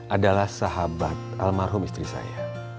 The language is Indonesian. adalah sahabat almarhum istri saya